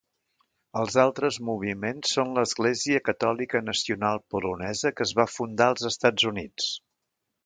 Els altres moviments són l'Església Catòlica Nacional Polonesa que es va fundar als Estats Units.